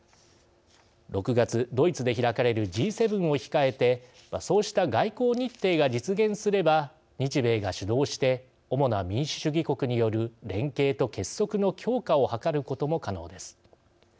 ６月ドイツで開かれるＧ７を控えてそうした外交日程が実現すれば日米が主導して主な民主主義国による連携と結束の強化をはかることも可能です。